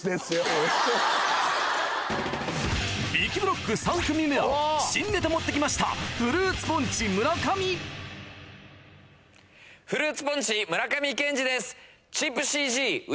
びきブロック３組目は新ネタ持ってきましたフルーツポンチ村上健志です